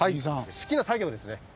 好きな作業ですね。